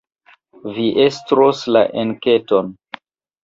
Vi estros la enketon.